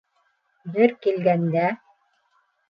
Бер килгәндә...